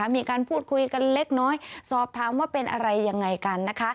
มีการพูดคุยกันเล็กน้อยสอบถามว่าเป็นอะไรยังไงกันนะคะ